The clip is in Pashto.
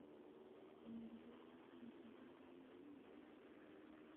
دا ورځ ښه پیل شوې ده.